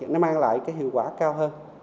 nó mang lại cái hiệu quả cao hơn